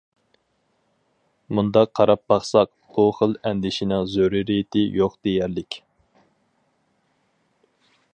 مۇنداق قاراپ باقساق، بۇ خىل ئەندىشىنىڭ زۆرۈرىيىتى يوق دېيەرلىك.